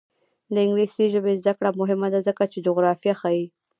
د انګلیسي ژبې زده کړه مهمه ده ځکه چې جغرافیه ښيي.